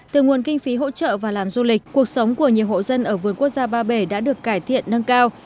từ nguồn kinh phí hỗ trợ và làm du lịch cuộc sống của nhiều hộ dân ở vườn quốc gia ba bể đã được cải thiện nâng cao